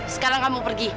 sekarang kamu pergi